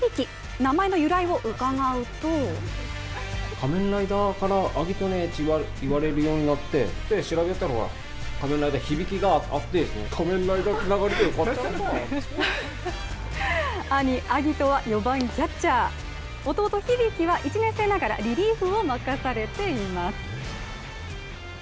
名前の由来を伺うと兄・晶音は４番・キャッチャー、弟・響は１年生ながらリリーフを任されています。